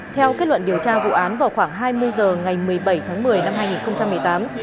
theo kết luận điều tra vụ án vào khoảng hai mươi h ngày một mươi bảy tháng một mươi năm hai nghìn một mươi tám